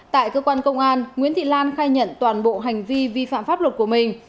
tại cơ quan công an nguyễn thị lan khai nhận toàn bộ hành vi vi phạm pháp luật của mình